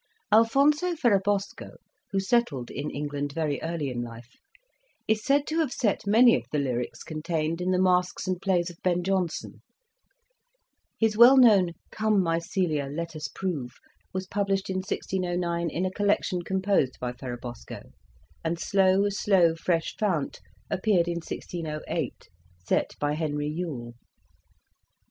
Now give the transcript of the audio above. Alfonso Ferrabosco, who settled in England very early in life, is said to have set many of the lyrics contained in the masques and plays of Ben Jonson : his well known "Come, my Celia, let us prove/' was published in 1609, in in a collection composed by Ferrabosco, and "Slow, slow, fresh fount," appeared in 1608, set by Henry Youll.